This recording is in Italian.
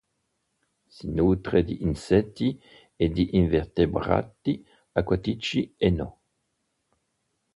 Si nutre di insetti e di invertebrati, acquatici e non.